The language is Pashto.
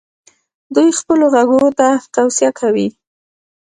دوی خپلو غړو ته توصیه کوي.